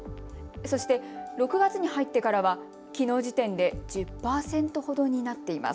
そして６月に入ってからはきのう時点で１０％ほどになっています。